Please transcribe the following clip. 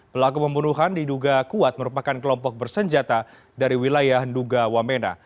pelaku pembunuhan diduga kuat merupakan kelompok bersenjata dari wilayah duga wamena